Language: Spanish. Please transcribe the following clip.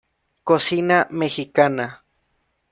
Cocina mexicana.